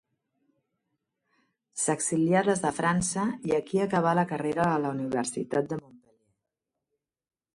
S'exilià des de França i aquí acabà la carrera a la Universitat de Montpeller.